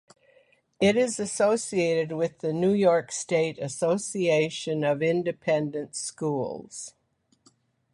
It is associated with the New York State Association of Independent Schools.